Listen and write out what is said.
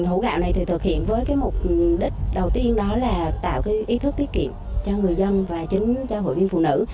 và hũ gạo này thực hiện với mục đích đầu tiên đó là tạo ý thức tiết kiệm cho người dân và chính cho hội viên phụ nữ